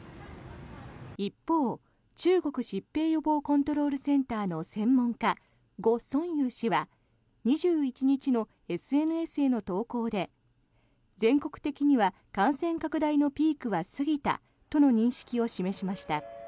一方、中国疾病予防コントロールセンターの専門家ゴ・ソンユウ氏は２１日のＳＮＳへの投稿で全国的には感染拡大のピークは過ぎたとの認識を示しました。